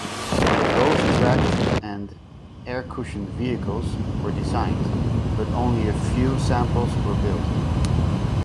Both tracked and air-cushioned vehicles were designed, but only a few samples were built.